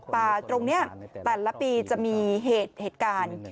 ป่าตรงนี้แต่ละปีจะมีเหตุการณ์